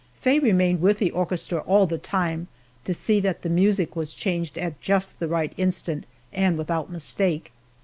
Faye remained with the orchestra all the time, to see that the music was changed at just the right instant and without mistake.